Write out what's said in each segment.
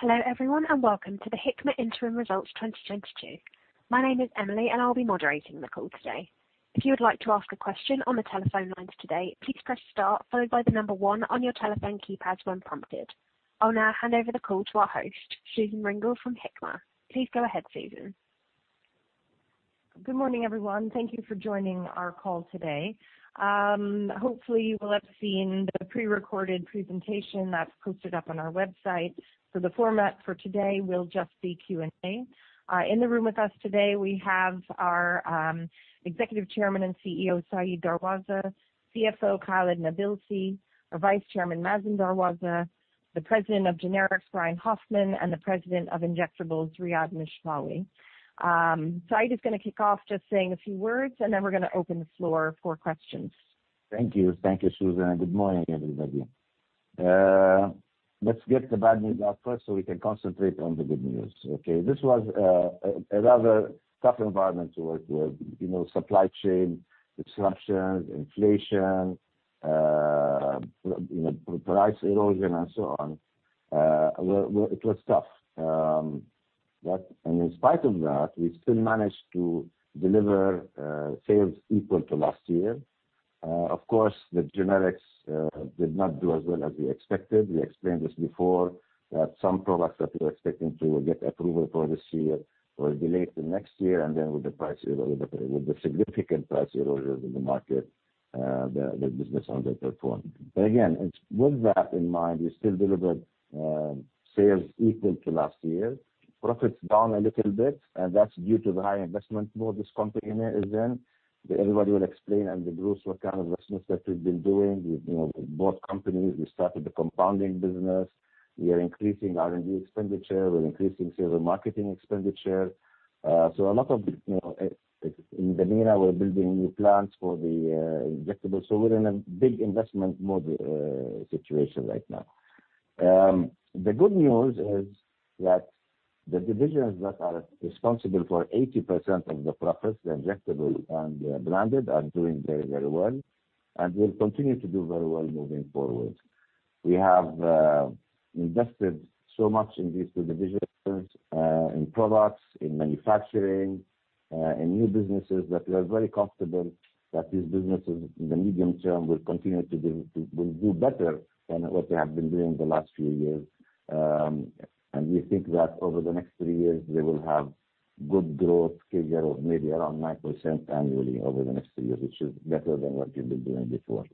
Hello everyone, and welcome to the Hikma Interim Results 2022. My name is Emily, and I'll be moderating the call today. If you would like to ask a question on the telephone lines today, please press Star followed by the number one on your telephone keypad when prompted. I'll now hand over the call to our host, Susan Ringdal from Hikma. Please go ahead, Susan. Good morning, everyone. Thank you for joining our call today. Hopefully you will have seen the pre-recorded presentation that's posted up on our website. The format for today will just be Q&A. In the room with us today, we have our Executive Chairman and CEO, Said Darwazah, CFO, Khalid Nabilsi, our Vice Chairman, Mazen Darwazeh, President of Generics, Brian Hoffmann, and President of Injectables, Riad Mishlawi. Said is gonna kick off just saying a few words, and then we're gonna open the floor for questions. Thank you. Thank you, Susan, and good morning, everybody. Let's get the bad news out first so we can concentrate on the good news. Okay. This was a rather tough environment to work with. You know, supply chain disruptions, inflation, you know, price erosion and so on. Well, it was tough. In spite of that, we still managed to deliver sales equal to last year. Of course, the generics did not do as well as we expected. We explained this before, that some products that we were expecting to get approval for this year will be late to next year, and then with the significant price erosion in the market, the business underperformed. Again, it's with that in mind, we still delivered sales equal to last year. Profit's down a little bit, and that's due to the high investment mode this company is in. Everybody will explain in the groups what kind of investments that we've been doing. We, you know, we bought companies. We started the compounding business. We are increasing R&D expenditure. We're increasing sales and marketing expenditure. So a lot of, you know, in Jordan, we're building new plants for the Injectables. So we're in a big investment mode, situation right now. The good news is that the divisions that are responsible for 80% of the profits, the Injectables and the branded, are doing very, very well and will continue to do very well moving forward. We have invested so much in these two divisions, in products, in manufacturing, in new businesses that we are very confident that these businesses in the medium term will continue to do better than what they have been doing the last few years. We think that over the next three years, they will have good growth figure of maybe around 9% annually over the next three years, which is better than what we've been doing before.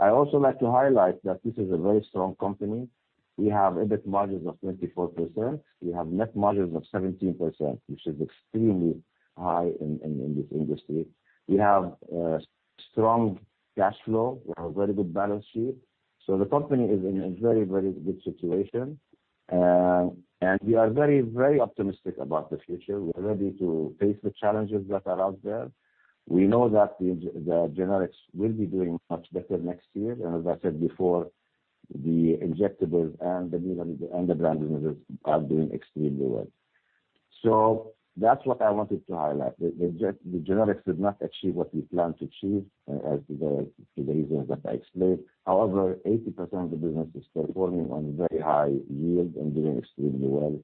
I also like to highlight that this is a very strong company. We have EBIT margins of 24%. We have net margins of 17%, which is extremely high in this industry. We have strong cash flow. We have very good balance sheet. The company is in a very, very good situation. We are very, very optimistic about the future. We're ready to face the challenges that are out there. We know that the generics will be doing much better next year. As I said before, the injectables and the new and the brand businesses are doing extremely well. That's what I wanted to highlight. The generics did not achieve what we planned to achieve, as the reasons that I explained. However, 80% of the business is still performing on very high yield and doing extremely well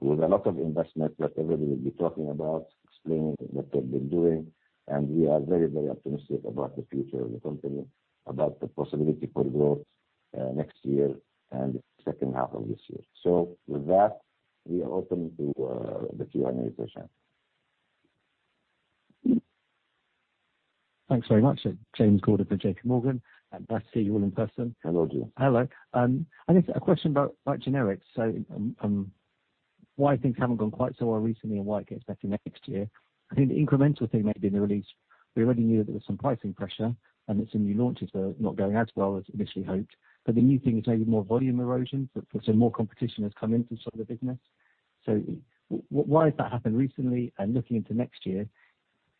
with a lot of investment that everybody will be talking about, explaining what they've been doing. We are very, very optimistic about the future of the company, about the possibility for growth, next year and second half of this year. With that, we are open to the Q&A session. Thanks very much. James Gordon for JPMorgan. Nice to see you all in person. Hello, James. Hello. I guess a question about generics. Why things haven't gone quite so well recently and why it gets better next year. I think the incremental thing maybe in the release, we already knew that there was some pricing pressure and that some new launches are not going as well as initially hoped. The new thing is maybe more volume erosion, so more competition has come into some of the business. Why has that happened recently? Looking into next year,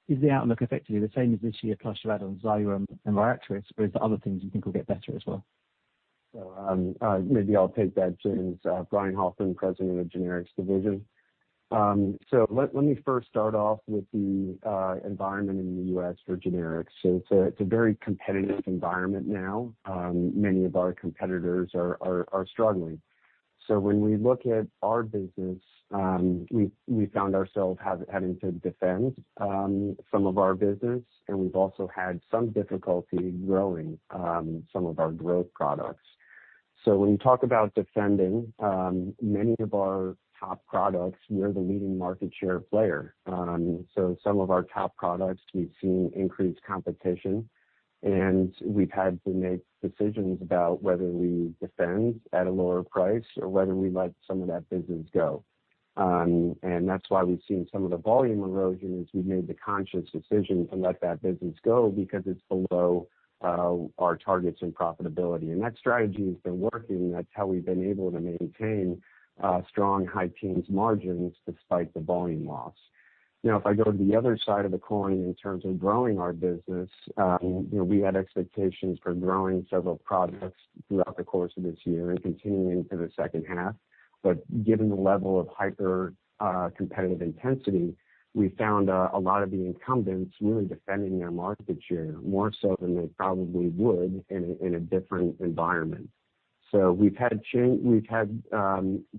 is the outlook effectively the same as this year plus you add on Xyrem and Mitigare, or is there other things you think will get better as well? Maybe I'll take that since Brian Hoffmann, President of Generics division. Let me first start off with the environment in the U.S. for generics. It's a very competitive environment now. Many of our competitors are struggling. When we look at our business, we found ourselves having to defend some of our business, and we've also had some difficulty growing some of our growth products. When you talk about defending many of our top products, we're the leading market share player. Some of our top products, we've seen increased competition, and we've had to make decisions about whether we defend at a lower price or whether we let some of that business go. That's why we've seen some of the volume erosion, is we've made the conscious decision to let that business go because it's below our targets and profitability. That strategy has been working. That's how we've been able to maintain strong high-teens margins despite the volume loss. Now, if I go to the other side of the coin in terms of growing our business, you know, we had expectations for growing several products throughout the course of this year and continuing into the second half. Given the level of hyper-competitive intensity, we found a lot of the incumbents really defending their market share more so than they probably would in a different environment. We've had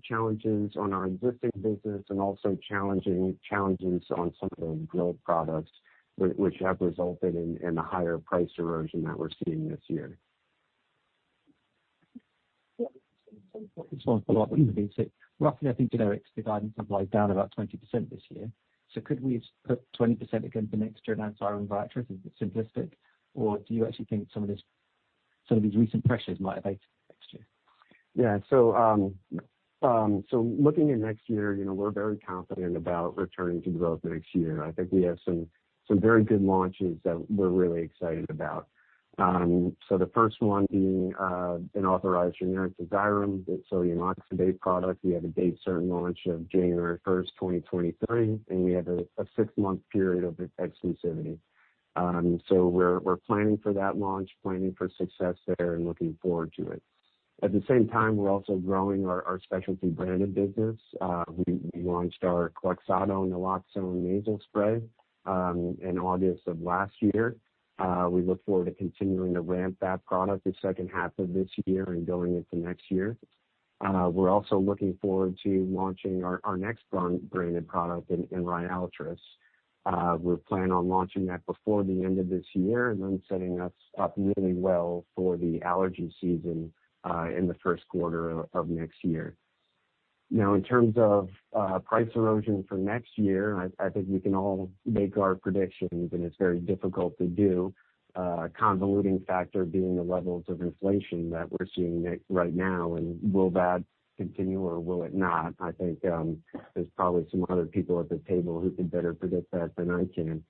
challenges on our existing business and also challenges on some of the growth products which have resulted in the higher price erosion that we're seeing this year. Roughly, I think, you know, the guidance implies down about 20% this year. Could we put 20% again for next year and that's our own estimate? Is it simplistic? Or do you actually think some of this, some of these recent pressures might abate next year? Looking at next year, you know, we're very confident about returning to growth next year. I think we have some very good launches that we're really excited about. The first one being an authorized generic to Xyrem, it's a sodium oxybate-based product. We have a date certain launch of January 1st, 2023, and we have a six-month period of 180-day exclusivity. We're planning for that launch, planning for success there and looking forward to it. At the same time, we're also growing our specialty branded business. We launched our KLOXXADO naloxone nasal spray in August of last year. We look forward to continuing to ramp that product the second half of this year and going into next year. We're also looking forward to launching our next branded product in RYALTRIS. We plan on launching that before the end of this year, and then setting us up really well for the allergy season in the first quarter of next year. Now, in terms of price erosion for next year, I think we can all make our predictions, and it's very difficult to do. Convoluting factor being the levels of inflation that we're seeing right now, and will that continue or will it not? I think there's probably some other people at the table who could better predict that than I can.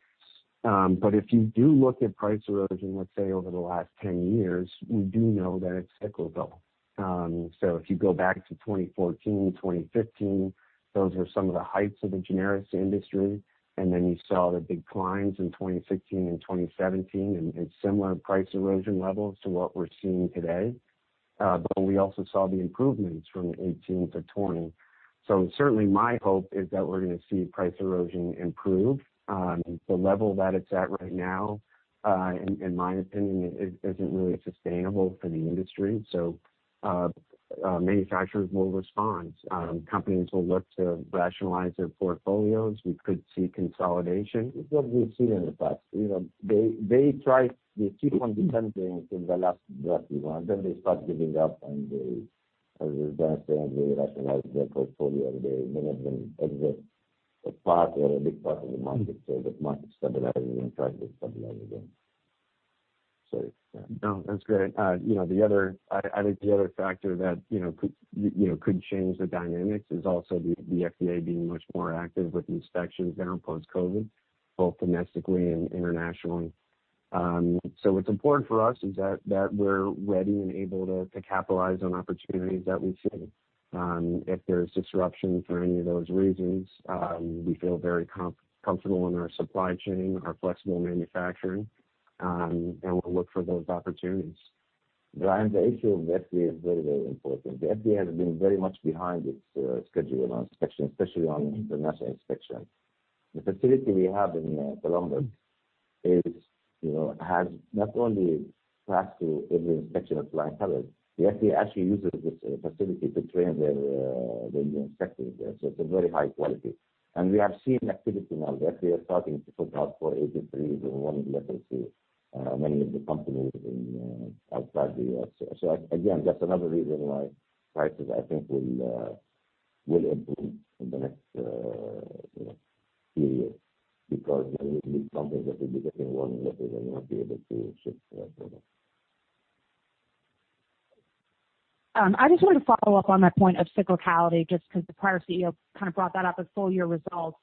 If you do look at price erosion, let's say over the last 10 years, we do know that it's cyclical. If you go back to 2014, 2015, those were some of the heights of the generics industry. Then you saw the big declines in 2016 and 2017, and had similar price erosion levels to what we're seeing today. We also saw the improvements from 2018 to 2020. Certainly my hope is that we're gonna see price erosion improve. The level that it's at right now, in my opinion, isn't really sustainable for the industry. Manufacturers will respond. Companies will look to rationalize their portfolios. We could see consolidation. It's what we've seen in the past. You know, they try, they keep on deepening their loss and then they start giving up and, as you were gonna say, and they rationalize their portfolio, they manage an exit a part or a big part of the market. The market stabilizes and tries to stabilize again. Sorry. No, that's great. You know, the other factor that I think could change the dynamics is also the FDA being much more active with inspections now post-COVID, both domestically and internationally. So what's important for us is that we're ready and able to capitalize on opportunities that we see. If there's disruption for any of those reasons, we feel very comfortable in our supply chain, our flexible manufacturing, and we'll look for those opportunities. Brian, the issue of FDA is very, very important. The FDA has been very much behind its schedule on inspection, especially on the non-U.S. inspection. The facility we have in Columbus is, you know, has not only passed every inspection with flying colors. The FDA actually uses this facility to train their their new inspectors. It's a very high quality. We have seen activity now. The FDA is starting to put out Form 483s and warning letters to many of the companies outside the U.S. Again, that's another reason why prices, I think, will improve in the next, you know, period because there will be companies that will be getting warning letters and not be able to ship products. I just wanted to follow up on that point of cyclicality, just 'cause the prior CEO kind of brought that up at full year results.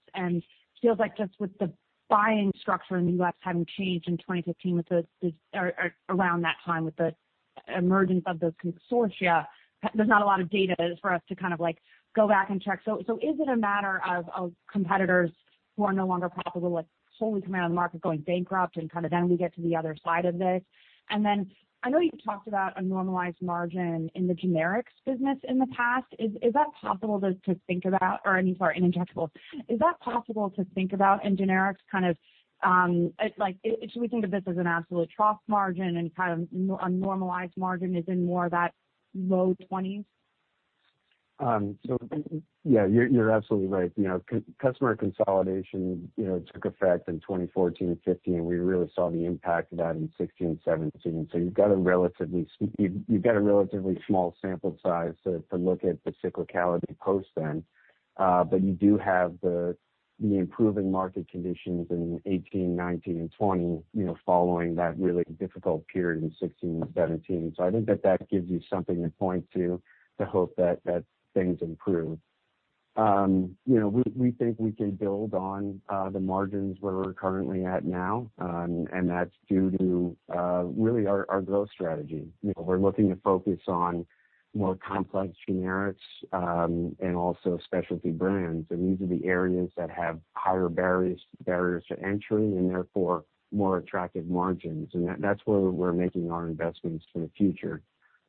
Feels like just with the buying structure in the U.S. having changed in 2015 or around that time with the emergence of the consortia, there's not a lot of data for us to kind of like go back and check. Is it a matter of competitors who are no longer profitable, like, slowly coming out of the market, going bankrupt and kinda then we get to the other side of this? I know you talked about a normalized margin in the generics business in the past. Is that possible to think about? Or I mean, sorry, in injectables. Is that possible to think about in generics kind of, like, should we think of this as an absolute trough margin and kind of a normalized margin is more like the low 20s%? Yeah, you're absolutely right. You know, customer consolidation, you know, took effect in 2014 and 2015, and we really saw the impact of that in 2016 and 2017. You've got a relatively small sample size to look at the cyclicality post then. But you do have the improving market conditions in 2018, 2019 and 2020, you know, following that really difficult period in 2016 and 2017. I think that gives you something to point to hope that things improve. You know, we think we can build on the margins where we're currently at now. And that's due to really our growth strategy. You know, we're looking to focus on more complex generics, and also specialty brands. These are the areas that have higher barriers to entry and therefore more attractive margins. That's where we're making our investments for the future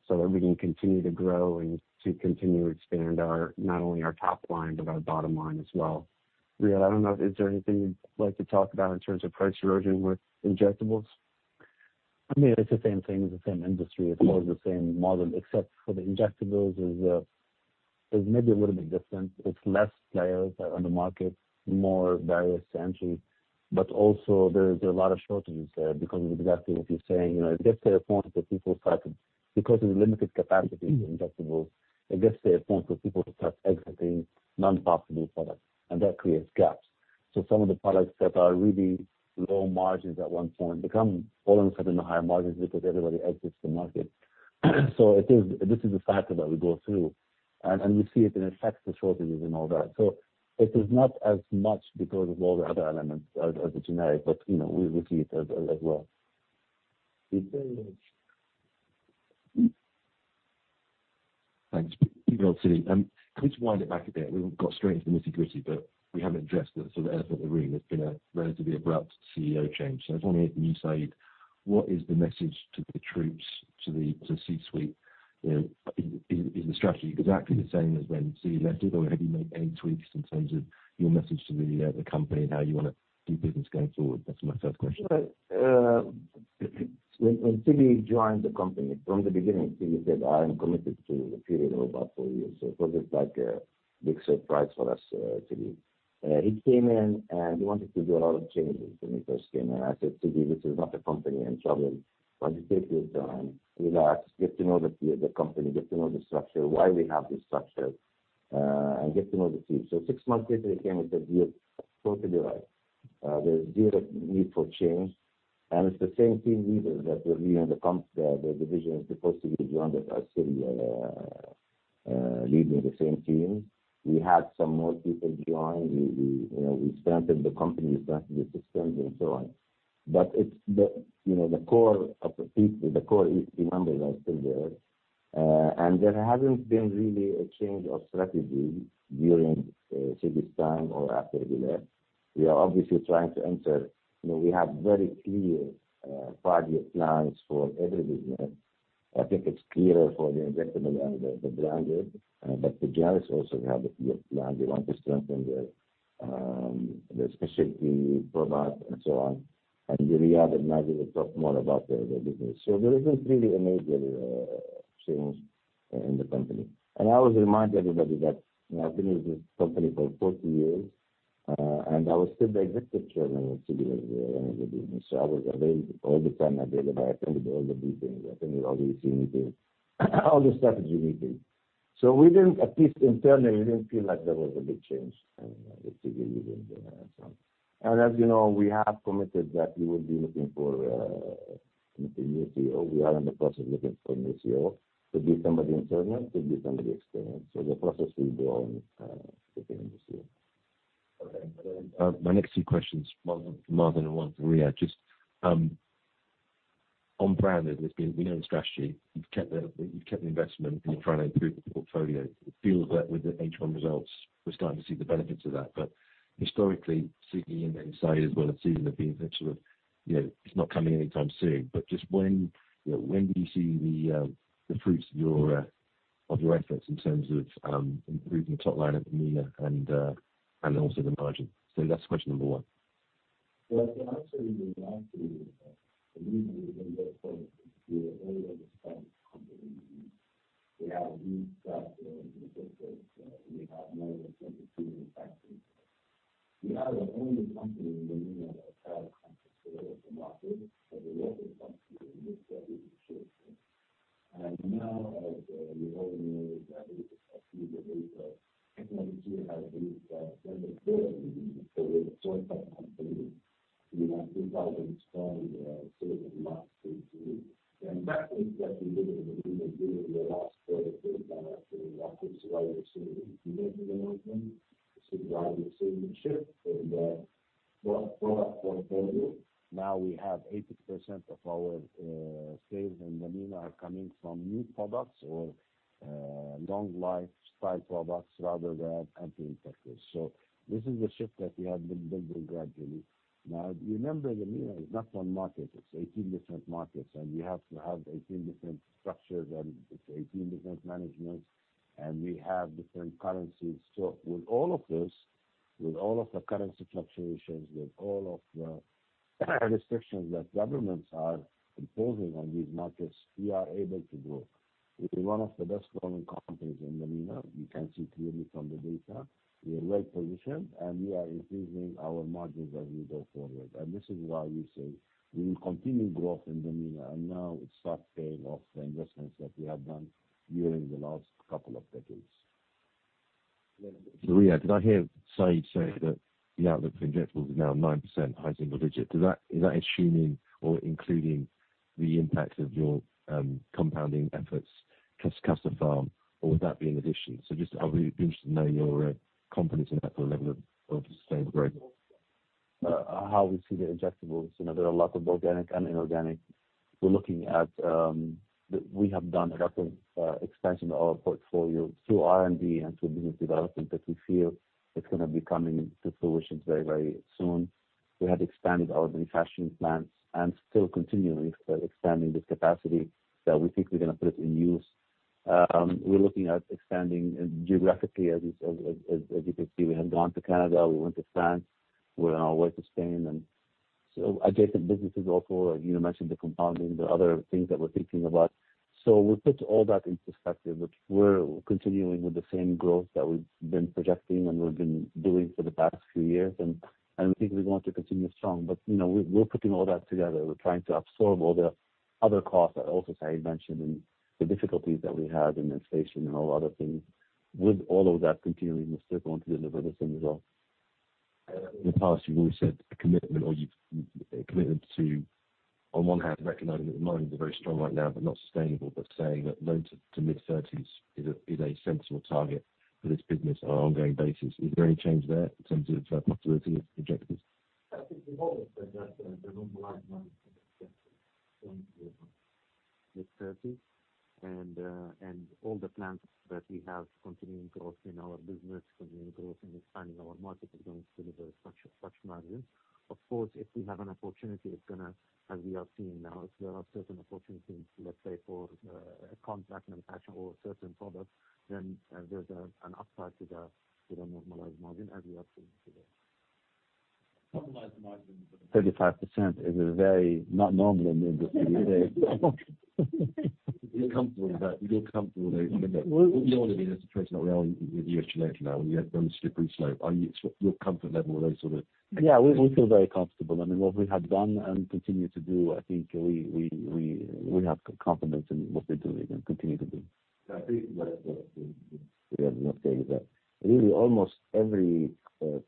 so that we can continue to grow and to continue to expand our, not only our top line, but our bottom line as well. Riad, I don't know if is there anything you'd like to talk about in terms of price erosion with injectables? I mean, it's the same thing. It's the same industry. It follows the same model, except for the injectables is maybe a little bit different. It's less players are on the market, more barriers to entry. But also there is a lot of shortages there because of exactly what you're saying. You know, because of the limited capacity in injectables, it gets to a point where people start exiting non-profitable products, and that creates gaps. Some of the products that are really low margins at one point become all of a sudden the higher margins because everybody exits the market. This is a factor that we go through and we see it, and it affects the shortages and all that. It is not as much because of all the other elements as a generic, but, you know, we see it as well. Thanks. Can you just wind it back a bit? We've got straight into the nitty-gritty, but we haven't addressed the sort of elephant in the room. There's been a relatively abrupt CEO change, so I just wanna hear from you, Said. What is the message to the troops, to the C-suite? You know, is the strategy exactly the same as when Sigurdur left it, or have you made any tweaks in terms of your message to the company and how you wanna do business going forward? That's my first question. Right. When Sigurdur joined the company from the beginning, Sigurdur said, "I am committed to a period of about four years." It was just like a big surprise for us to leave. He came in and he wanted to do a lot of changes when he first came. I said, "Sigurdur, this is not a company in trouble. Why don't you take your time, relax, get to know the company, get to know the structure, why we have this structure, and get to know the team." Six months later, he came and said, "We have totally arrived. There's zero need for change." It's the same team leaders that were leading the divisions before Sigurdur joined us are still leading the same team. We had some more people join. You know, we strengthened the company's strategy systems and so on. It's you know, the core of the people, the core team members are still there. There hasn't been really a change of strategy during Sigurdur's time or after he left. We are obviously trying to enter. You know, we have very clear five-year plans for every business. I think it's clearer for the injectables and the branded, but the generics also have a clear plan. They want to strengthen their specialty product and so on. Riad and Mazen will talk more about the business. There isn't really a major change in the company. I always remind everybody that you know, I've been with this company for 40 years, and I was still the Executive Chairman with Sigurdur running the business. I was available all the time at the delivery. I attended all the briefings. I attended all the team meetings, all the strategy meetings. We didn't, at least internally, we didn't feel like there was a big change when Sigurdur leaving, and so on. As you know, we have committed that we will be looking for new CEO. We are in the process of looking for a new CEO. Could be somebody internal, could be somebody experienced. The process will go on within this year. Okay. My next two questions, one for Mazen and one for Riad. Just on branded, it's been. We know the strategy. You've kept the investment, and you're trying to improve the portfolio. It feels that with the H1 results, we're starting to see the benefits of that. Historically, Sigurdur in the inside as well as Sigurdur have been sort of, you know, it's not coming anytime soon. Just when, you know, when do you see the fruits of your efforts in terms of improving the top line at MENA and also the margin? That's question number one. It is one of the best growing companies in the MENA. You can see clearly from the data. We are well-positioned, and we are increasing our margins as we go forward. This is why we say we will continue growth in the MENA, and now it starts paying off the investments that we have done during the last couple of decades. Riad, did I hear Said say that the outlook for injectables is now 9% high single digit? Does that assuming or including the impact of your compounding efforts, Custopharm, or would that be an addition? I'd be interested to know your confidence in that level of sustainable growth. How we see the injectables, you know, there are lots of organic and inorganic. We're looking at. We have done a rapid expansion of our portfolio through R&D and through business development that we feel is gonna be coming to fruition very, very soon. We have expanded our manufacturing plants and still continuing expanding this capacity that we think we're gonna put it in use. We're looking at expanding geographically as you can see, we have gone to Canada, we went to France, we're on our way to Spain. Adjacent businesses also, you know, mentioned the compounding, the other things that we're thinking about. We put all that in perspective, which we're continuing with the same growth that we've been projecting, and we've been doing for the past few years. We think we're going to continue strong. You know, we're putting all that together. We're trying to absorb all the other costs that also Khalid mentioned, and the difficulties that we have in inflation and all other things. With all of that continuing, we're still going to deliver the same results. In the past, you've always said a commitment or you've committed to, on one hand, recognizing that the margins are very strong right now but not sustainable, but saying that low- to mid-30s% is a sensible target for this business on an ongoing basis. Is there any change there in terms of profitability objectives? I think we've always said that the normalized margin is going to be mid-30s%. All the plans that we have continuing growth in our business, continuing growth and expanding our market is going to deliver such margins. Of course, if we have an opportunity, it's gonna as we are seeing now, if there are certain opportunities, let's say for contract manufacture or certain products, then there's an upside to the normalized margin as we are seeing today. Normalized margin. 35% is very abnormal in the industry. You're comfortable that situation that we are with you actually now, where you have very slippery slope. Your comfort level with those sort of -- Yeah, we feel very comfortable. I mean, what we have done and continue to do, I think we have confidence in what we're doing and continue to do. I think that the really, almost every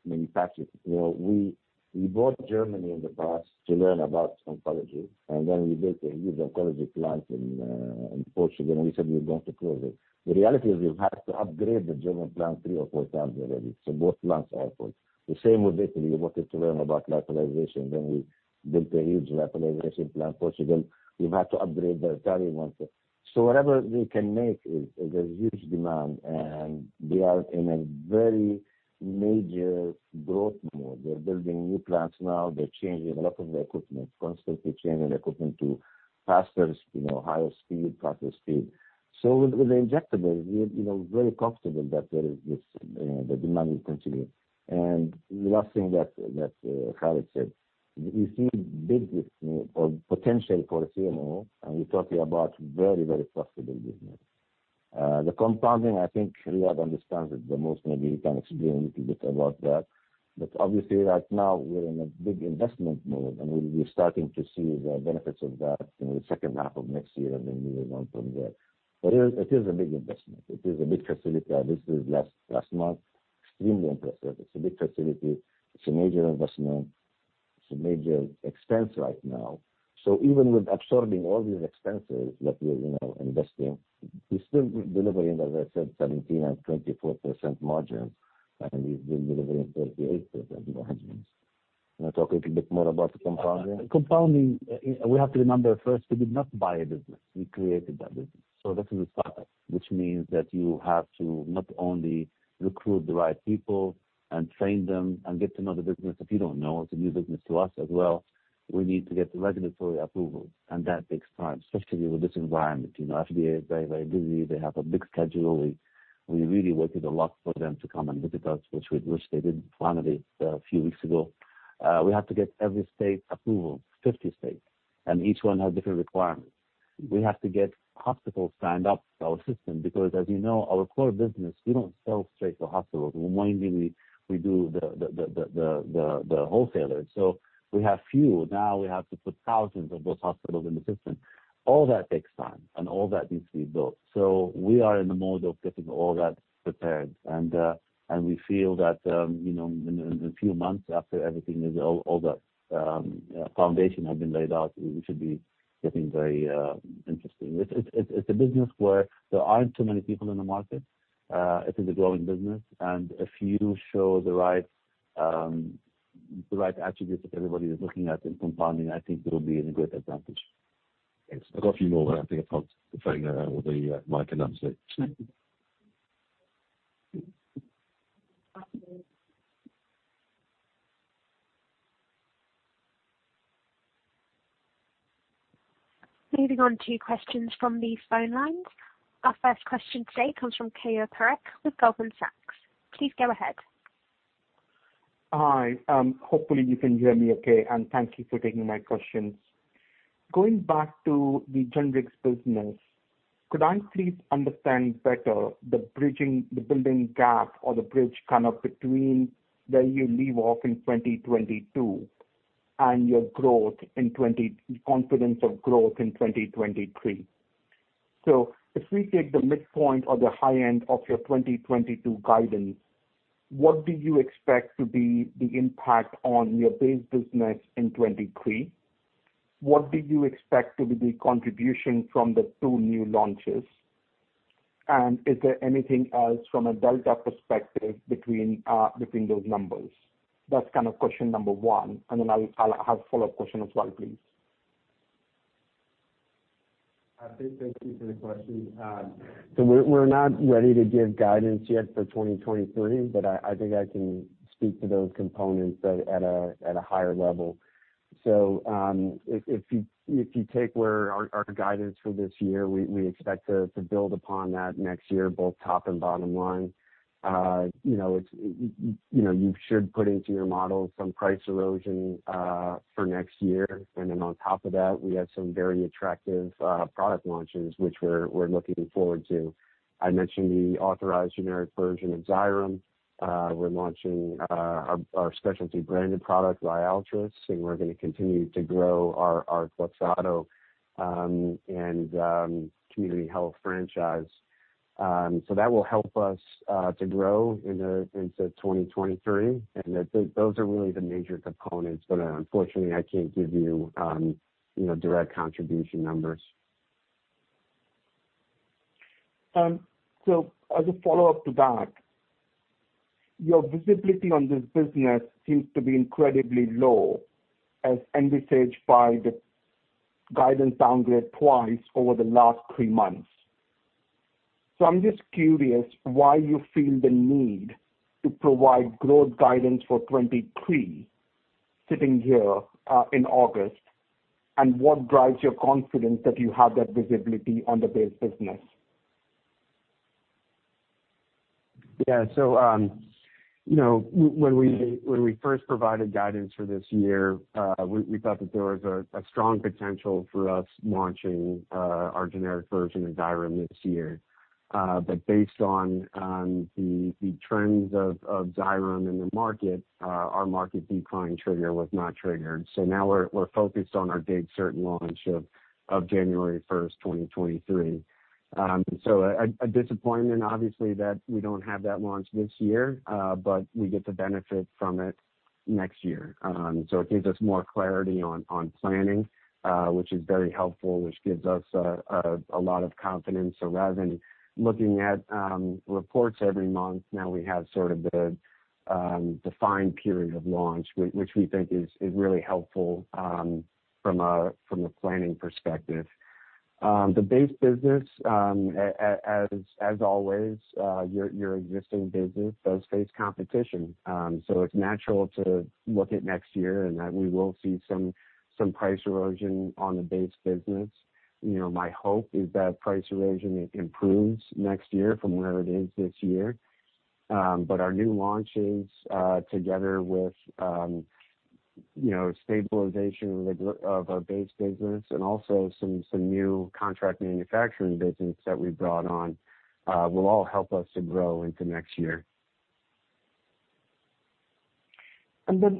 manufacturer. You know, we bought Germany in the past to learn about oncology, and then we built a huge oncology plant in Portugal, and we said we were going to close it. The reality is we've had to upgrade the German plant 3x or 4x already. Both plants are open. The same with Italy. We wanted to learn about lyophilization. We built a huge lyophilization plant in Portugal. We've had to upgrade the Italian one. Whatever we can make, there's huge demand, and we are in a very major growth mode. We're building new plants now. We're changing a lot of the equipment, constantly changing equipment to faster, you know, higher speed, faster speed. With the injectable, we're, you know, very comfortable that there is this, the demand will continue. The last thing that Khalid said, we see big business or potential for a CMO, and we're talking about very, very profitable business. The compounding, I think Riad understands it the most. Maybe he can explain a little bit about that. Obviously right now we're in a big investment mode, and we'll be starting to see the benefits of that in the second half of next year, and then move on from there. It is a big investment. It is a big facility. I visited last month. Extremely impressive. It's a big facility. It's a major investment. It's a major expense right now. So even with absorbing all these expenses that we're, you know, investing, we're still delivering, as I said, 17% and 24% margins. We've been delivering 38% in the headlines. You wanna talk a little bit more about the compounding? Compounding, we have to remember first we did not buy a business, we created that business. So that's where we started, which means that you have to not only recruit the right people and train them and get to know the business. If you don't know, it's a new business to us as well. We need to get the regulatory approval. That takes time, especially with this environment. You know, FDA is very, very busy. They have a big schedule. We really worked it a lot for them to come and visit us, which they did finally a few weeks ago. We have to get every state approval, 50 states, and each one has different requirements. We have to get hospitals signed up to our system because, as you know, our core business, we don't sell straight to hospitals. We mainly do the wholesalers. We have few. Now we have to put thousands of those hospitals in the system. All that takes time, and all that needs to be built. We are in the mode of getting all that prepared. We feel that, you know, in a few months after everything is all the foundation has been laid out, we should be getting very interesting. It's a business where there aren't too many people in the market. It is a growing business. If you show the right attributes that everybody is looking at in compounding, I think it'll be a great advantage. Thanks. I've got a few more, but I think I probably refrain with the mic and answer. Moving on to questions from the phone lines. Our first question today comes from Keyur Parekh with Goldman Sachs. Please go ahead. Hi. Hopefully you can hear me okay, and thank you for taking my questions. Going back to the Generics business, could I please understand better the bridging, the building gap or the bridge kind of between where you leave off in 2022 and your confidence of growth in 2023. If we take the midpoint or the high end of your 2022 guidance, what do you expect to be the impact on your base business in 2023? What do you expect to be the contribution from the two new launches? And is there anything else from a delta perspective between those numbers? That's kind of question number one, and then I'll have a follow-up question as well, please. I think, thank you for the question. So we're not ready to give guidance yet for 2023, but I think I can speak to those components at a higher level. If you take where our guidance for this year, we expect to build upon that next year, both top and bottom line. You know, you should put into your model some price erosion for next year. Then on top of that, we have some very attractive product launches, which we're looking forward to. I mentioned the authorized generic version of Xyrem. We're launching our specialty branded product RYALTRIS, and we're gonna continue to grow our injectables and community health franchise. That will help us to grow into 2023. Those are really the major components. Unfortunately, I can't give you know, direct contribution numbers. As a follow-up to that, your visibility on this business seems to be incredibly low as envisaged by the guidance downgrade twice over the last three months. I'm just curious why you feel the need to provide growth guidance for 2023 sitting here in August, and what drives your confidence that you have that visibility on the base business? Yeah. You know, when we first provided guidance for this year, we thought that there was a strong potential for us launching our generic version of Xyrem this year. Based on the trends of Xyrem in the market, our market decline trigger was not triggered. Now we're focused on our date certain launch of January 1st, 2023. A disappointment obviously that we don't have that launch this year, but we get to benefit from it next year. It gives us more clarity on planning, which is very helpful, which gives us a lot of confidence rather than looking at reports every month. Now we have sort of the defined period of launch, which we think is really helpful, from a planning perspective. The base business, as always, your existing business does face competition. It's natural to look at next year and that we will see some price erosion on the base business. You know, my hope is that price erosion improves next year from where it is this year. Our new launches, together with, you know, stabilization of our base business and also some new contract manufacturing business that we brought on, will all help us to grow into next year.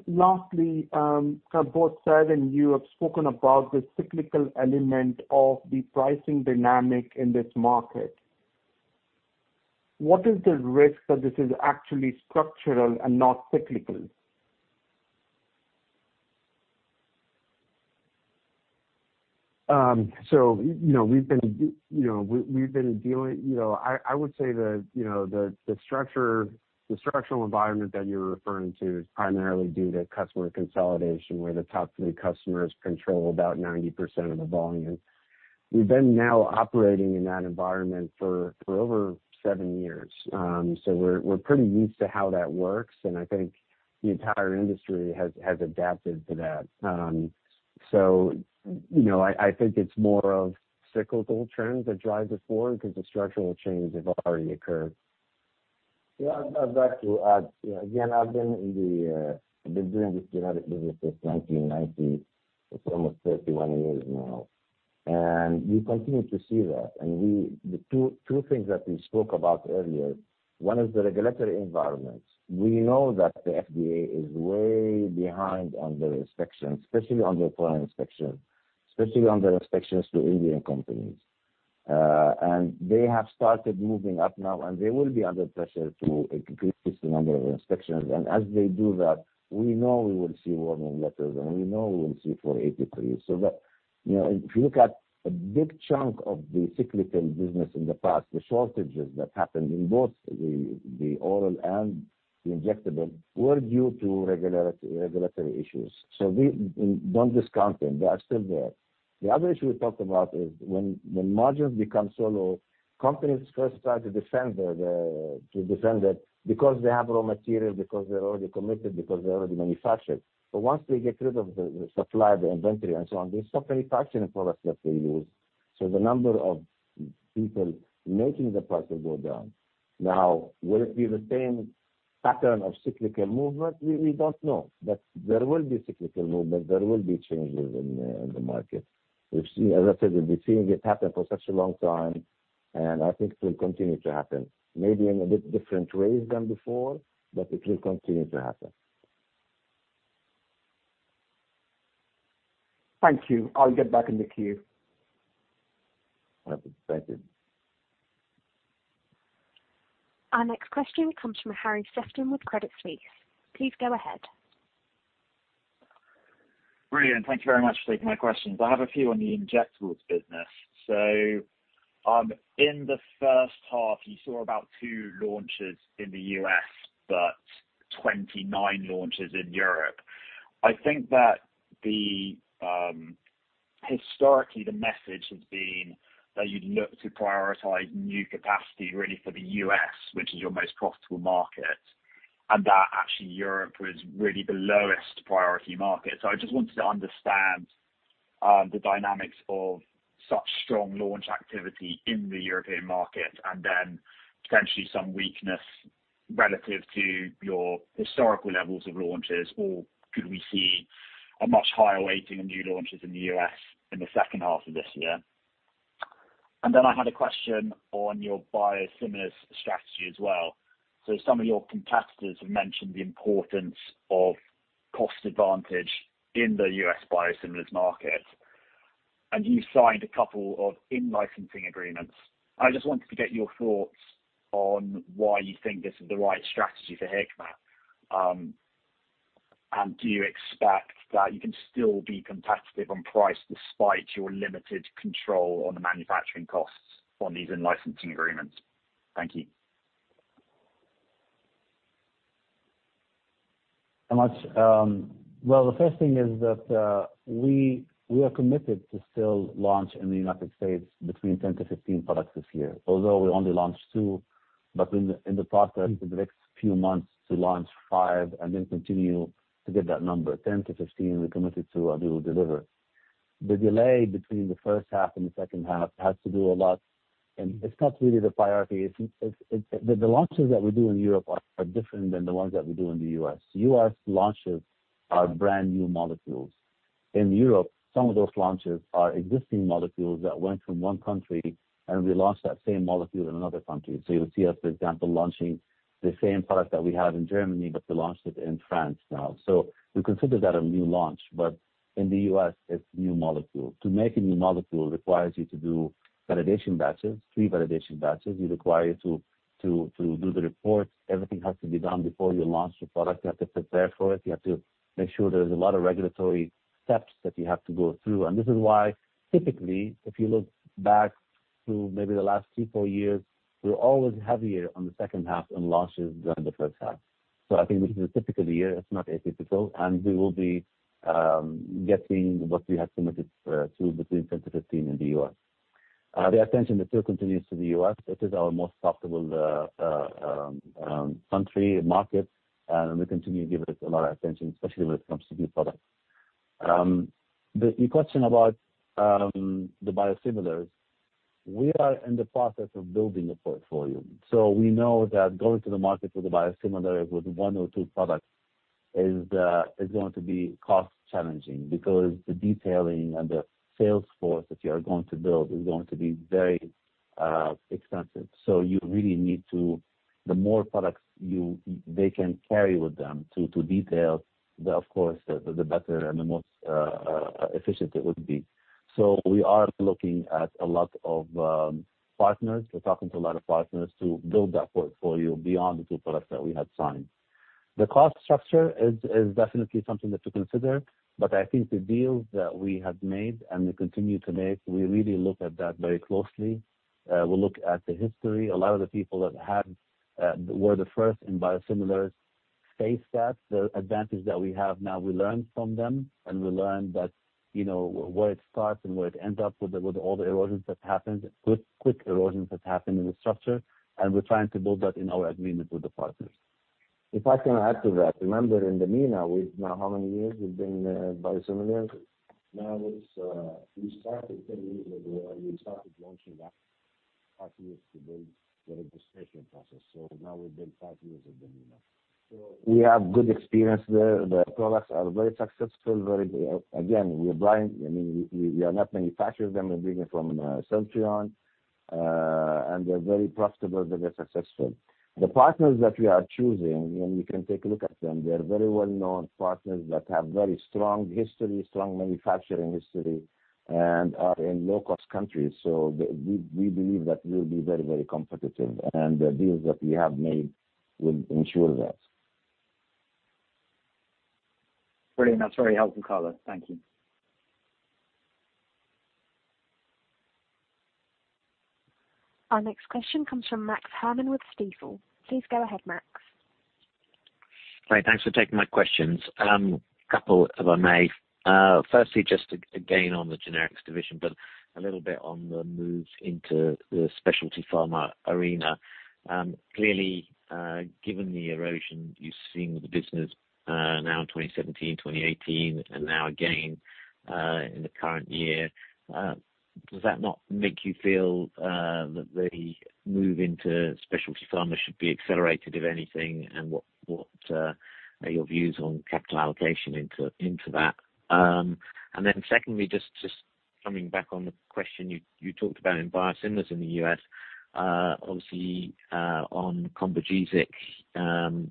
Lastly, both Said and you have spoken about the cyclical element of the pricing dynamic in this market. What is the risk that this is actually structural and not cyclical? You know, I would say the structural environment that you're referring to is primarily due to customer consolidation, where the top three customers control about 90% of the volume. We've been now operating in that environment for over seven years. We're pretty used to how that works, and I think the entire industry has adapted to that. You know, I think it's more of cyclical trends that drive this forward because the structural changes have already occurred. Yeah. I'd like to add. You know, again, I've been in the, I've been doing this generic business since 1990. It's almost 31 years now. We continue to see that. The two things that we spoke about earlier, one is the regulatory environment. We know that the FDA is way behind on their inspections, especially on their foreign inspections, especially on their inspections to Indian companies. They have started moving up now, and they will be under pressure to increase the number of inspections. As they do that, we know we will see warning letters, and we know we will see Form 483s. You know, if you look at a big chunk of the cyclical business in the past, the shortages that happened in both the oral and the injectable were due to regulatory issues. We don't discount them. They are still there. The other issue we talked about is when margins become so low, companies first try to defend it because they have raw material, because they're already committed, because they're already manufactured. Once they get rid of the supply, the inventory and so on, they stop manufacturing products that they use. The number of people making the products go down. Now, will it be the same pattern of cyclical movement? We don't know. There will be cyclical movement, there will be changes in the market. We've seen. As I said, we've been seeing it happen for such a long time, and I think it will continue to happen. Maybe in a bit different ways than before, but it will continue to happen. Thank you. I'll get back in the queue. Thank you. Our next question comes from Harry Sephton with Credit Suisse. Please go ahead. Brilliant. Thank you very much for taking my questions. I have a few on the injectables business. In the first half, you saw about two launches in the U.S., but 29 launches in Europe. I think that the historically, the message has been that you'd look to prioritize new capacity really for the U.S., which is your most profitable market, and that actually Europe was really the lowest priority market. I just wanted to understand the dynamics of such strong launch activity in the European market and then potentially some weakness relative to your historical levels of launches. Could we see a much higher weighting of new launches in the U.S. in the second half of this year? Then I had a question on your biosimilars strategy as well. Some of your competitors have mentioned the importance of cost advantage in the U.S. biosimilars market. You signed a couple of in-licensing agreements. I just wanted to get your thoughts on why you think this is the right strategy for Hikma. Do you expect that you can still be competitive on price despite your limited control on the manufacturing costs on these in-licensing agreements? Thank you. Well, the first thing is that we are committed to still launch in the United States between 10-15 products this year, although we only launched two. In the process, in the next few months to launch 5 and then continue to get that number 10-15 we're committed to and we will deliver. The delay between the first half and the second half has to do a lot. It's not really the priority. It's the launches that we do in Europe are different than the ones that we do in the U.S.. U.S. launches are brand new molecules. In Europe, some of those launches are existing molecules that went from one country, and we launched that same molecule in another country. You'll see us, for example, launching the same product that we have in Germany, but we launched it in France now. We consider that a new launch. In the U.S., it's new molecule. To make a new molecule requires you to do validation batches, three validation batches. It require you to do the reports. Everything has to be done before you launch the product. You have to prepare for it. You have to make sure there's a lot of regulatory steps that you have to go through. This is why typically, if you look back to maybe the last two to four years, we're always heavier on the second half in launches than the first half. I think this is a typical year. It's not atypical, and we will be getting what we have committed to between 10-15 in the U.S.. The attention that still continues to the U.S., it is our most profitable country market, and we continue to give it a lot of attention, especially when it comes to new products. Your question about the biosimilars, we are in the process of building a portfolio. We know that going to the market with a biosimilar with one or two products is going to be cost challenging because the detailing and the sales force that you are going to build is going to be very expensive. The more products they can carry with them to detail, of course, the better and the more efficient it would be. We are looking at a lot of partners. We're talking to a lot of partners to build that portfolio beyond the two products that we have signed. The cost structure is definitely something that you consider, but I think the deals that we have made and we continue to make, we really look at that very closely. We look at the history. A lot of the people that were the first in biosimilars faced that. The advantage that we have now, we learn from them, and we learn that, you know, where it starts and where it ends up with all the erosions that happened, quick erosions that happened in the structure. We're trying to build that in our agreement with the partners. If I can add to that, remember in the MENA, we've now how many years we've been, biosimilars? Now it's, we started 10 years ago. We started launching about five years ago the registration process. Now we've been five years in the MENA. We have good experience there. The products are very successful. I mean, we are not manufacturers of them. We're bringing from Celltrion. They're very profitable. They're very successful. The partners that we are choosing, and you can take a look at them, they're very well-known partners that have very strong history, strong manufacturing history, and are in low-cost countries. We believe that we'll be very, very competitive, and the deals that we have made will ensure that. Brilliant. That's very helpful color. Thank you. Our next question comes from Max Herrmann with Stifel. Please go ahead, Max. Great. Thanks for taking my questions. A couple, if I may. Firstly, just again on the generics division, but a little bit on the move into the specialty pharma arena. Clearly, given the erosion you've seen with the business, now in 2017, 2018 and now again, in the current year, does that not make you feel that the move into specialty pharma should be accelerated, if anything? What are your views on capital allocation into that? Secondly, just coming back on the question you talked about in biosimilars in the U.S., obviously, on COMBOGESIC,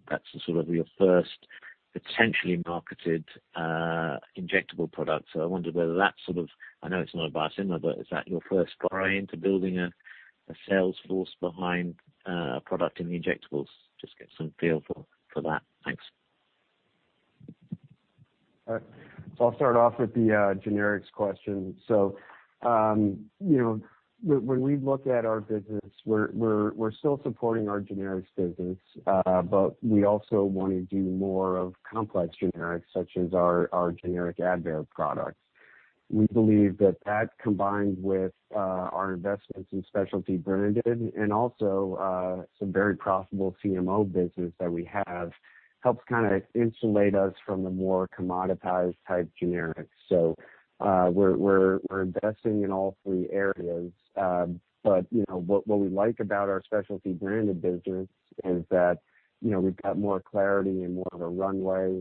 that's sort of your first potentially marketed injectable product. So I wondered whether that sort of... I know it's not a biosimilar, but is that your first foray into building a sales force behind a product in the injectables? Just get some feel for that. Thanks. All right. I'll start off with the generics question. You know, when we look at our business, we're still supporting our generics business, but we also wanna do more of complex generics such as our generic Advair products. We believe that combined with our investments in specialty branded and also some very profitable CMO business that we have helps kinda insulate us from the more commoditized type generics. We're investing in all three areas. You know, what we like about our specialty branded business is that, you know, we've got more clarity and more of a runway.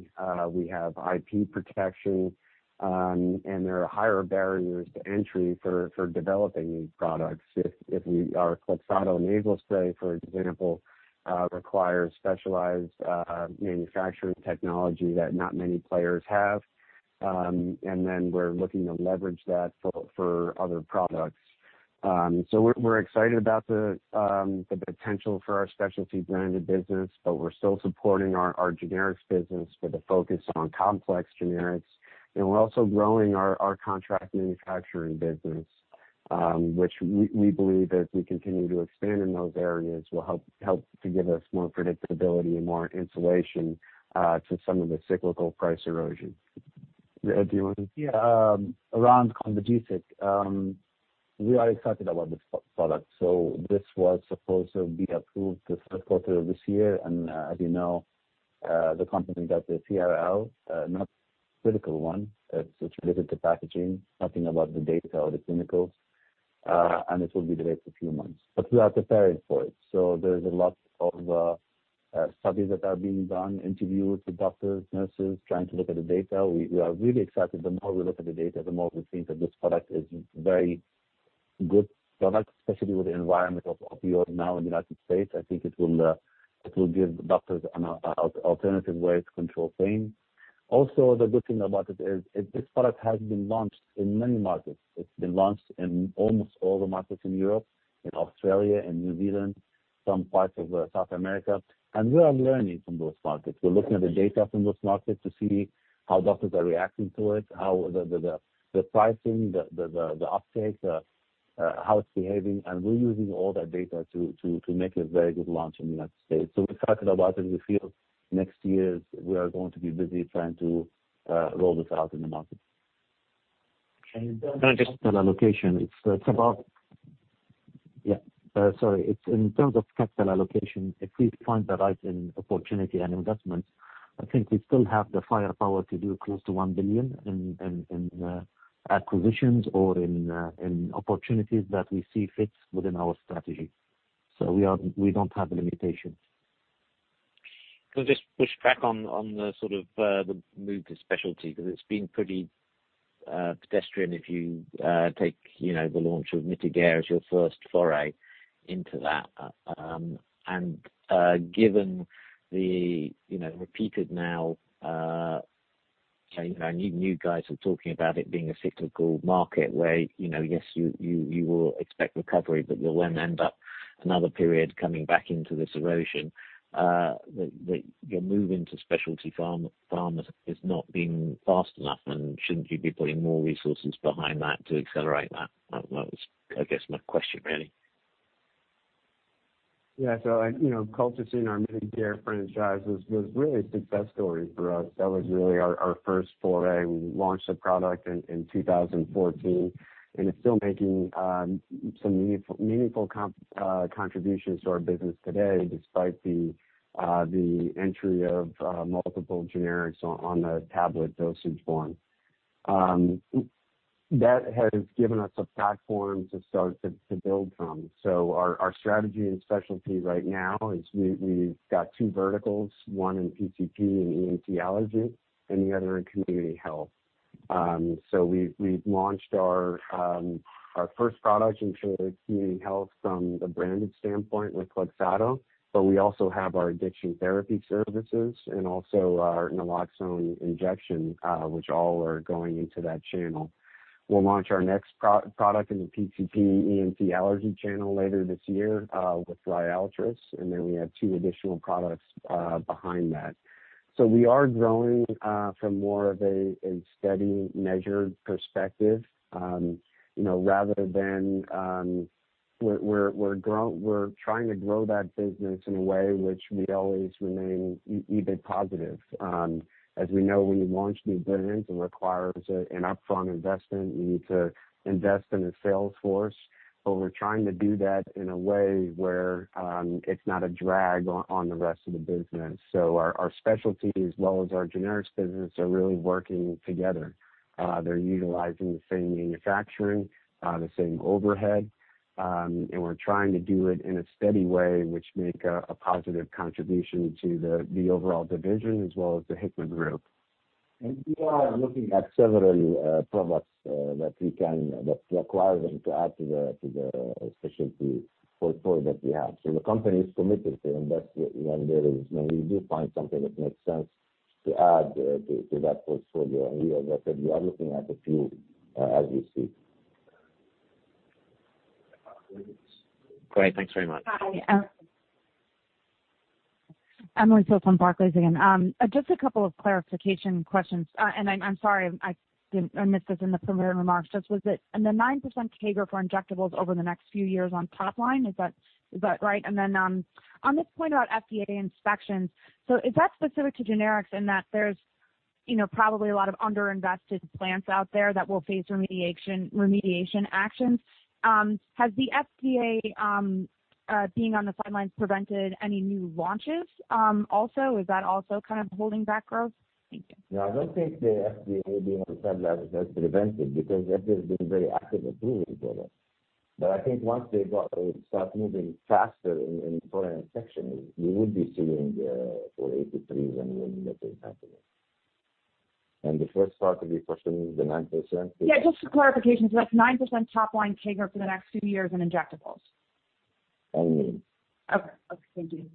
We have IP protection, and there are higher barriers to entry for developing these products. Our KLOXXADO nasal spray, for example, requires specialized manufacturing technology that not many players have. We're looking to leverage that for other products. We're excited about the potential for our specialty branded business, but we're still supporting our generics business with a focus on complex generics. We're also growing our contract manufacturing business, which we believe as we continue to expand in those areas will help to give us more predictability and more insulation to some of the cyclical price erosion. Riad, do you wanna? Around COMBOGESIC, we are excited about this product. This was supposed to be approved the third quarter of this year. As you know, the company got the CRL, not critical one. It's related to packaging, nothing about the data or the clinicals. It will be delayed a few months, but we are prepared for it. There's a lot of studies that are being done, interviews with doctors, nurses, trying to look at the data. We are really excited. The more we look at the data, the more we think that this product is very good product, especially with the environment of opioid now in the United States. I think it will give doctors an alternative way to control pain. Also, the good thing about it is this product has been launched in many markets. It's been launched in almost all the markets in Europe, in Australia and New Zealand, some parts of South America, and we are learning from those markets. We're looking at the data from those markets to see how doctors are reacting to it, how the pricing, the uptake, how it's behaving. We're using all that data to make a very good launch in the United States. We're excited about it. We feel next year we are going to be busy trying to roll this out in the market. In terms of capital allocation, it's about. It's in terms of capital allocation, if we find the right opportunity and investments, I think we still have the firepower to do close to $1 billion in acquisitions or in opportunities that we see fit within our strategy. We are, we don't have limitations. Can I just push back on the sort of move to specialty? 'Cause it's been pretty pedestrian if you take, you know, the launch of Mitigare as your first foray into that. Given the repeated now, you know, and you guys are talking about it being a cyclical market where, you know, yes, you will expect recovery, but you'll then end up another period coming back into this erosion. Your move into specialty pharmacy has not been fast enough, and shouldn't you be putting more resources behind that to accelerate that? That was, I guess, my question really? Yeah. You know, colchicine our Mitigare franchise was really a success story for us. That was really our first foray. We launched the product in 2014, and it's still making some meaningful contributions to our business today despite the entry of multiple generics on the tablet dosage form. That has given us a platform to start to build from. Our strategy in specialty right now is we've got two verticals, one in PCP and ENT allergy, and the other in community health. We've launched our first product into community health from the branded standpoint with KLOXXADO, but we also have our addiction therapy services and also our naloxone injection, which all are going into that channel. We'll launch our next pro-product in the PCP ENT allergy channel later this year with RYALTRIS, and then we have two additional products behind that. We are growing from more of a steady measured perspective, you know, rather than. We're trying to grow that business in a way which we always remain EBIT positive. As we know, when you launch new brands, it requires an upfront investment. You need to invest in a sales force, but we're trying to do that in a way where it's not a drag on the rest of the business. Our specialty as well as our generics business are really working together. They're utilizing the same manufacturing, the same overhead. We're trying to do it in a steady way, which make a positive contribution to the overall division as well as the Hikma Group. We are looking at several products that require them to add to the specialty portfolio that we have. The company is committed to invest when we do find something that makes sense to add to that portfolio. We, as I said, are looking at a few as we speak. Great. Thanks very much. Hi. Emily Field from Barclays again. Just a couple of clarification questions. I'm sorry, I missed this in the prepared remarks. Just was it in the 9% CAGR for injectables over the next few years on top line, is that right? Then, on this point about FDA inspections, is that specific to generics in that there's, you know, probably a lot of underinvested plants out there that will face remediation actions? Has the FDA being on the sidelines prevented any new launches also? Is that also kind of holding back growth? Thank you. No, I don't think the FDA being on the sidelines has prevented, because the FDA has been very active approving products. But I think once they start moving faster in foreign inspections, we would be seeing the Form 483s and when that will happen. The first part of your question is the 9%? Yeah, just for clarification. That's 9% top line CAGR for the next two years in Injectables? And MENA. Okay. Okay, thank you.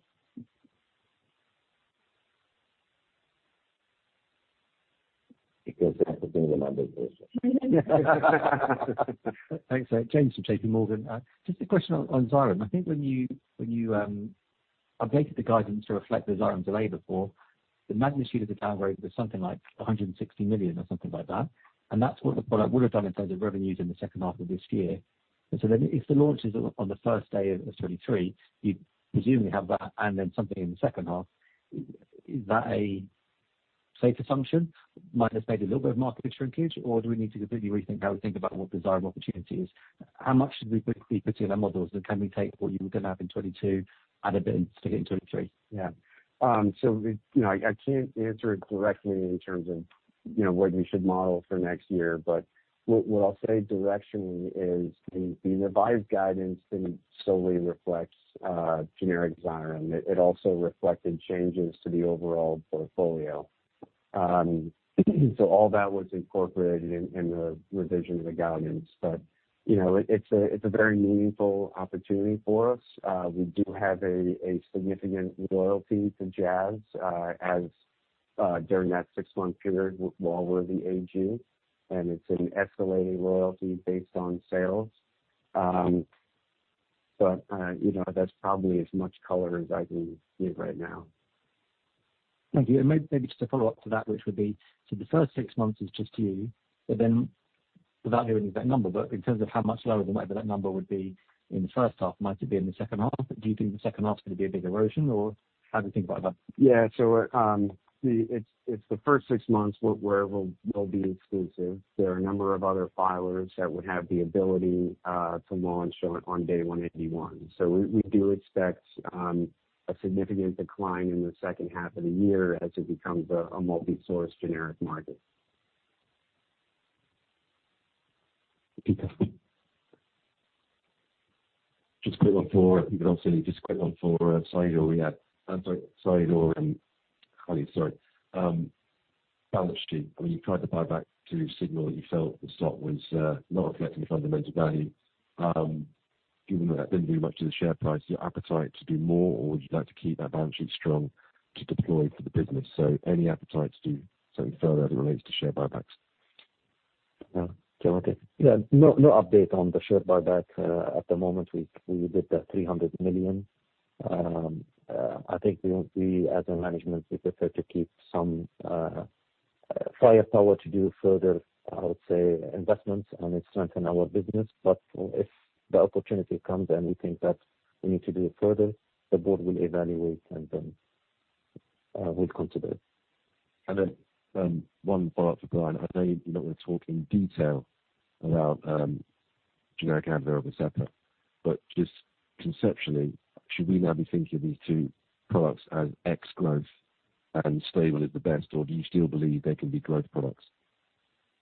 Because that would be the numbers. Thanks. James from JPMorgan. Just a question on Xyrem. I think when you updated the guidance to reflect the Xyrem delay before, the magnitude of the downgrade was something like $160 million or something like that. That's what the product would have done in terms of revenues in the second half of this year. If the launch is on the first day of 2023, you'd presumably have that and then something in the second half. Is that a safe assumption? Might have had a little bit of market shrinkage, or do we need to completely rethink how we think about what the Xyrem opportunity is? How much should we put in our models, and can we take what you were gonna have in 2022, add a bit to get in 2023? Yeah. You know, I can't answer it directly in terms of, you know, what we should model for next year. What I'll say directionally is the revised guidance didn't solely reflects generic Xyrem. It also reflected changes to the overall portfolio. All that was incorporated in the revision of the guidance. You know, it's a very meaningful opportunity for us. We do have a significant royalty to Jazz, as during that six-month period while we're the AG, and it's an escalating royalty based on sales. You know, that's probably as much color as I can give right now. Thank you. Maybe just a follow-up to that, which would be, so the first six months is just U.S., but then without giving that number, but in terms of how much lower than whatever that number would be in the first half, might it be in the second half? Do you think the second half is gonna be a big erosion, or how do you think about that? Yeah. It's the first six months we'll be exclusive. There are a number of other filers that would have the ability to launch on day 181. We do expect a significant decline in the second half of the year as it becomes a multi-source generic market. Just a quick one for Said, or yeah. I'm sorry, Said or Khalid, sorry. Balance sheet. I mean, you tried to buy back to signal that you felt the stock was not reflecting the fundamental value. Given that that didn't do much to the share price, your appetite to do more, or would you like to keep that balance sheet strong to deploy for the business? Any appetite to do something further as it relates to share buybacks? No. Do you want to? Yeah. No, no update on the share buyback. At the moment, we did the $300 million. I think, as a management, we prefer to keep some firepower to do further, I would say, investments and strengthen our business. If the opportunity comes and we think that we need to do it further, the board will evaluate and then will consider. One follow-up for Brian. I know you're not gonna talk in detail about generic Advair or Vascepa, but just conceptually, should we now be thinking of these two products as ex-growth and stable at best, or do you still believe they can be growth products?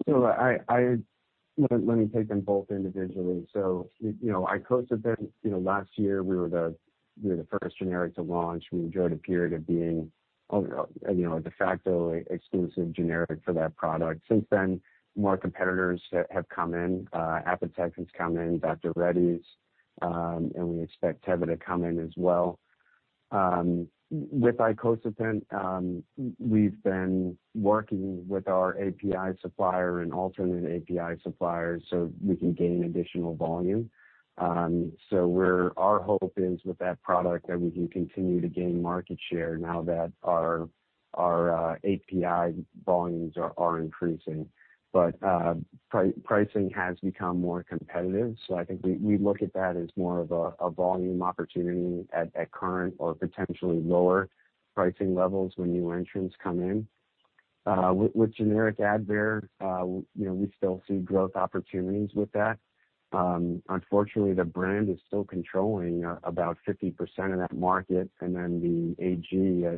Let me take them both individually. You know, icosapent, you know, last year we were the first generic to launch. We enjoyed a period of being, you know, a de facto exclusive generic for that product. Since then, more competitors have come in. Apotex has come in, Dr. Reddy's, and we expect Teva to come in as well. With icosapent, we've been working with our API supplier and alternate API suppliers so we can gain additional volume. Our hope is with that product that we can continue to gain market share now that our API volumes are increasing. Pricing has become more competitive. I think we look at that as more of a volume opportunity at current or potentially lower pricing levels when new entrants come in. With generic Advair, you know, we still see growth opportunities with that. Unfortunately, the brand is still controlling about 50% of that market, and then the AG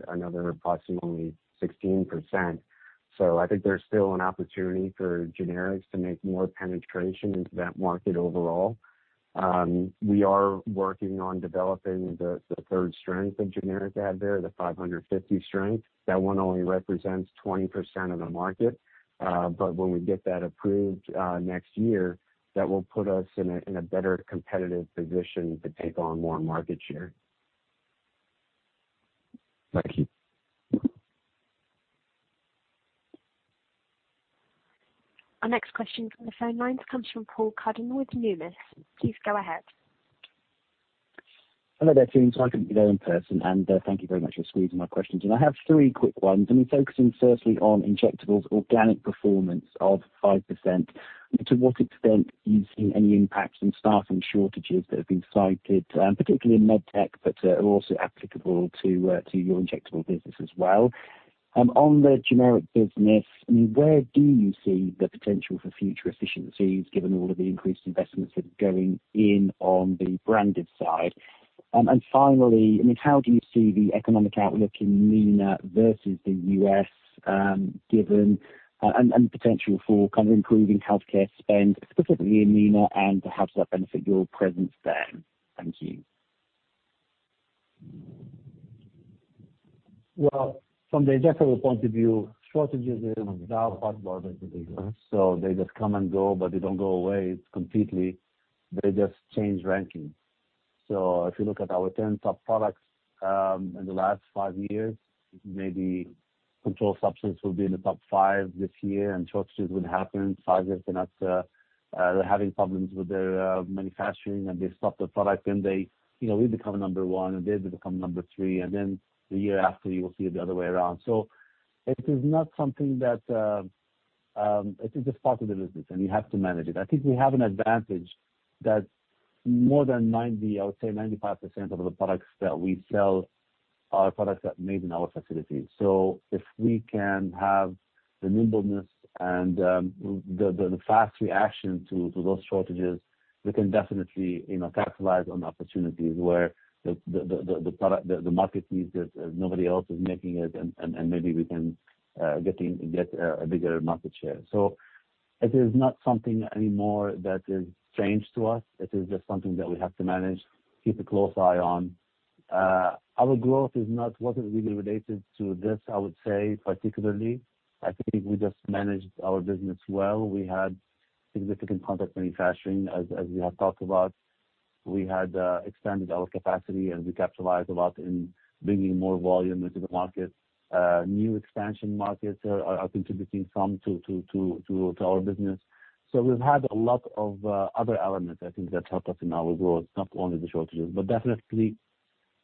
another approximately 16%. I think there's still an opportunity for generics to make more penetration into that market overall. We are working on developing the third strength of generic Advair, the 550 strength. That one only represents 20% of the market. When we get that approved next year, that will put us in a better competitive position to take on more market share. Thank you. Our next question from the phone lines comes from Paul Cuddon with Numis. Please go ahead. Hello there, team. Sorry I couldn't be there in person, and thank you very much for squeezing my questions in. I have three quick ones. I mean, focusing firstly on injectables organic performance of 5%, to what extent are you seeing any impacts from staffing shortages that have been cited, particularly in med tech, but are also applicable to your injectable business as well? On the generic business, I mean, where do you see the potential for future efficiencies given all of the increased investments that are going in on the branded side? Finally, I mean, how do you see the economic outlook in MENA versus the U.S., given the potential for kind of improving healthcare spend, specifically in MENA and how does that benefit your presence there? Thank you. Well, from the injectable point of view, shortages are now part of our business. They just come and go, but they don't go away completely. They just change ranking. If you look at our 10 top products, in the last five years, maybe controlled substance will be in the top five this year, and shortages will happen. Pfizer is gonna, they're having problems with their manufacturing, and they stop the product. You know, we become number one, and they become number three, and then the year after, you will see it the other way around. It is not something that it is just part of the business, and you have to manage it. I think we have an advantage that more than 90%, I would say 95% of the products that we sell are products that are made in our facilities. If we can have the nimbleness and the fast reaction to those shortages, we can definitely, you know, capitalize on opportunities where the product, the market needs it, and nobody else is making it, and maybe we can get a bigger market share. It is not something anymore that is strange to us. It is just something that we have to manage, keep a close eye on. Our growth wasn't really related to this, I would say particularly. I think we just managed our business well. We had significant contract manufacturing as we have talked about. We had expanded our capacity, and we capitalized a lot in bringing more volume into the market. New expansion markets are contributing some to our business. We've had a lot of other elements, I think, that helped us in our growth, not only the shortages. Definitely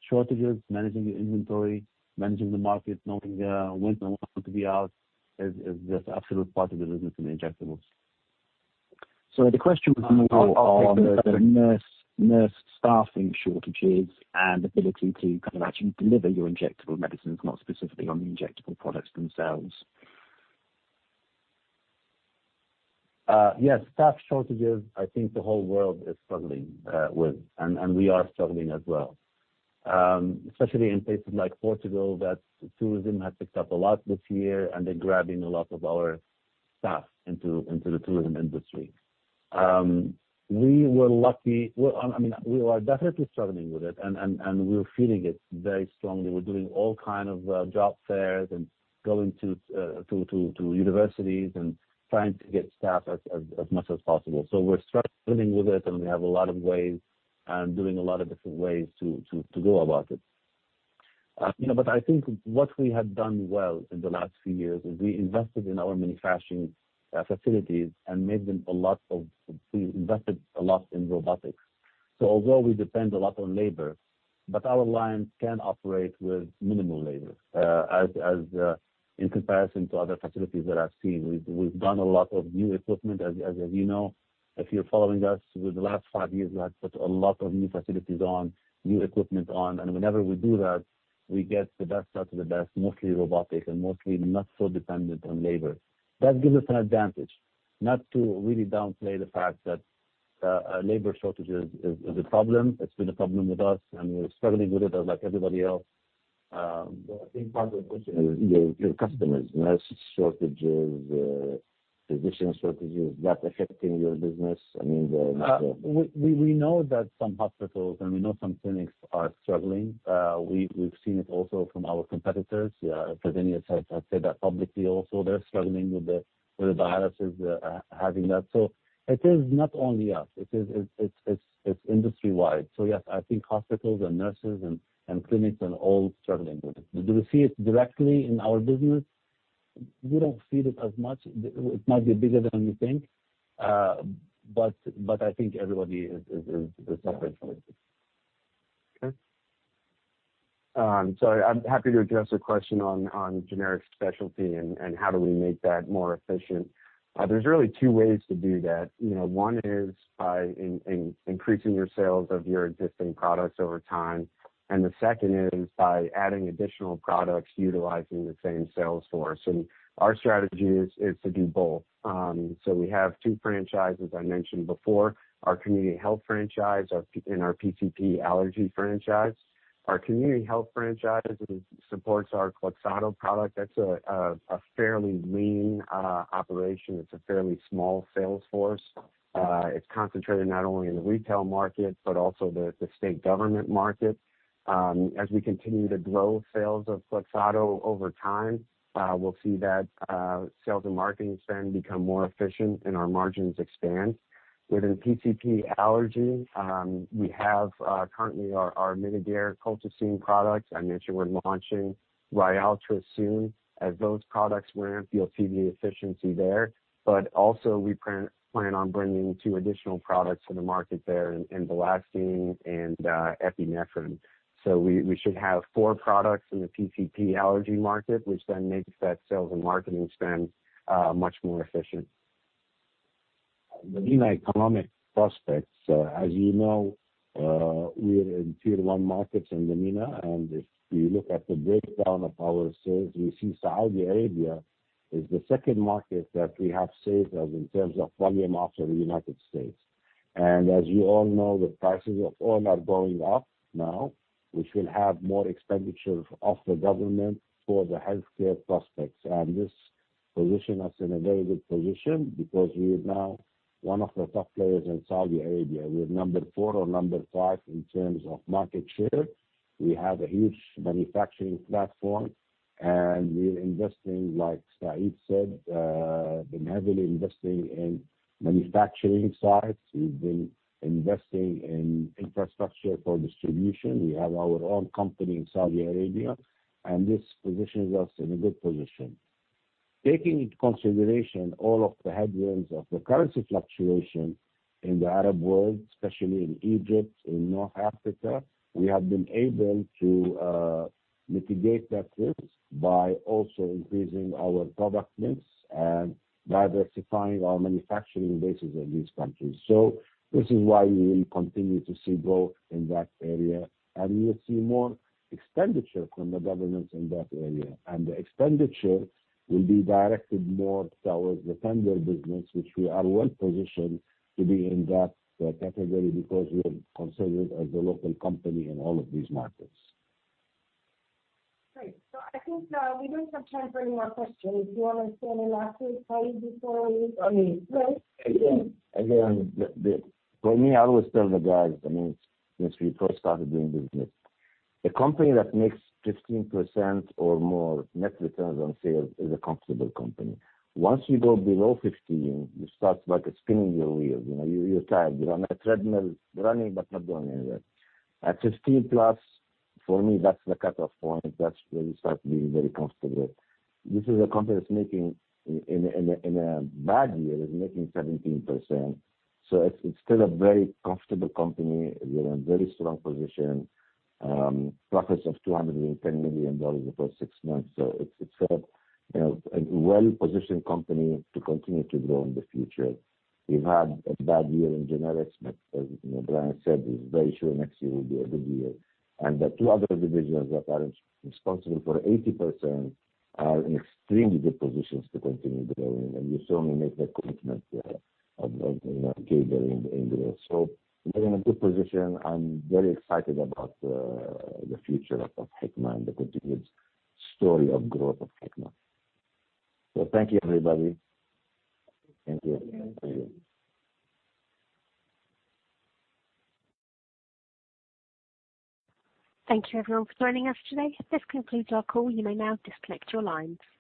shortages, managing the inventory, managing the market, knowing when to be out is just absolute part of the business in injectables. The question was more on the nurse staffing shortages and ability to kind of actually deliver your injectable medicines, not specifically on the injectable products themselves. Yes. Staff shortages, I think the whole world is struggling with, and we are struggling as well. Especially in places like Portugal, that tourism has picked up a lot this year, and they're grabbing a lot of our staff into the tourism industry. We were lucky. I mean, we are definitely struggling with it. We're feeling it very strongly. We're doing all kind of job fairs and going to universities and trying to get staff as much as possible. We're struggling with it, and we have a lot of ways and doing a lot of different ways to go about it. You know, I think what we have done well in the last few years is we invested a lot in robotics. Although we depend a lot on labor, but our lines can operate with minimal labor, in comparison to other facilities that I've seen. We've done a lot of new equipment. As you know, if you're following us with the last five years, we have put a lot of new facilities on, new equipment on. Whenever we do that, we get the best of the best, mostly robotic and mostly not so dependent on labor. That gives us an advantage. Not to really downplay the fact tht labor shortages is a problem. It's been a problem with us, and we're struggling with it as like everybody else. I think part of the question is your customers, nurse shortages, physician shortages, is that affecting your business? I mean, the -- We know that some hospitals and we know some clinics are struggling. We've seen it also from our competitors. Fresenius has said that publicly also. They're struggling with the viruses having that. It is not only us. It's industry-wide. Yes, I think hospitals and nurses and clinics are all struggling with it. Do we see it directly in our business? We don't feel it as much. It might be bigger than we think. I think everybody is suffering from it. Okay. I'm happy to address your question on generic specialty and how do we make that more efficient. There's really two ways to do that. One is by increasing your sales of your existing products over time, and the second is by adding additional products utilizing the same sales force. Our strategy is to do both. We have two franchises I mentioned before, our community health franchise, our PCP allergy franchise. Our community health franchise supports our colchicine product. That's a fairly lean operation. It's a fairly small sales force. It's concentrated not only in the retail market but also the state government market. As we continue to grow sales of KLOXXADO over time, we'll see that sales and marketing spend become more efficient and our margins expand. Within PCP allergy, we have currently our Mitigare colchicine products. I mentioned we're launching RYALTRIS soon. As those products ramp, you'll see the efficiency there. Also we plan on bringing two additional products to the market there in vilazodone and epinephrine. We should have four products in the PCP allergy market, which then makes that sales and marketing spend much more efficient. The MENA economic prospects, as you know, we are in tier one markets in the MENA. If you look at the breakdown of our sales, we see Saudi Arabia is the second market that we have sales of in terms of volume after the United States. As you all know, the prices of oil are going up now, which will have more expenditure of the government for the healthcare prospects. This position us in a very good position because we are now one of the top players in Saudi Arabia. We're number four or number five in terms of market share. We have a huge manufacturing platform, and we're investing, like Said said, been heavily investing in manufacturing sites. We've been investing in infrastructure for distribution. We have our own company in Saudi Arabia, and this positions us in a good position. Taking into consideration all of the headwinds of the currency fluctuation in the Arab world, especially in Egypt, in North Africa, we have been able to mitigate that risk by also increasing our product mix and by diversifying our manufacturing bases in these countries. This is why we will continue to see growth in that area, and we'll see more expenditure from the governments in that area. The expenditure will be directed more towards the tender business, which we are well-positioned to be in that category because we are considered as a local company in all of these markets. Great. I think we don't have time for any more questions. Do you wanna say any last words, Said, before we leave? I mean, again, for me, I always tell the guys, I mean, since we first started doing business, a company that makes 15% or more net returns on sales is a comfortable company. Once you go below 15%, you start like spinning your wheels. You know, you're tired, you're on a treadmill running but not going anywhere. At 15%+, for me, that's the cutoff point. That's where you start being very comfortable. This is a company that's making 17% in a bad year. So it's still a very comfortable company. We're in a very strong position. Profits of $210 million the first six months. So it's, you know, a well-positioned company to continue to grow in the future. We've had a bad year in generics, but as you know, Brian said, he's very sure next year will be a good year. The two other divisions that are responsible for 80% are in extremely good positions to continue growing. You saw me make that commitment of you know growth in Injectables. We're in a good position. I'm very excited about the future of Hikma and the continued story of growth of Hikma. Thank you, everybody. Thank you. Thank you. Thank you. Thank you everyone for joining us today. This concludes our call. You may now disconnect your lines.